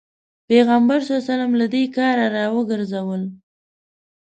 پيغمبر ص له دې کاره راوګرځول.